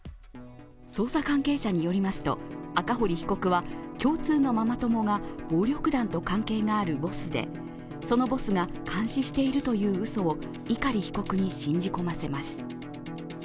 捜査関係者によりますと、赤堀被告は共通のママ友が暴力団と関係があるボスでそのボスが監視しているといううそを碇被告に信じ込ませます。